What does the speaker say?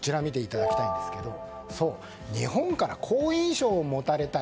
だから日本から好印象を持たれたい。